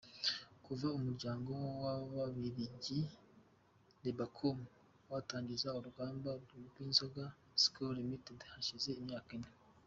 Kuva umuryango w’Ababiligi, Rebakom, watangiza uruganda rw’inzoga Skol Ltd hashize imyaka ine.